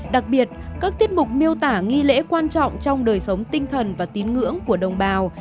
đặc biệt các tiết mục miêu tả nghi lễ quan trọng trong đời sống tinh thần và tín ngưỡng của đồng bào